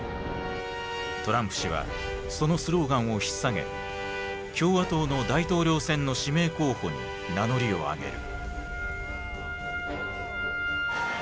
トランプ氏はそのスローガンをひっ提げ共和党の大統領選の指名候補に名乗りを上げる。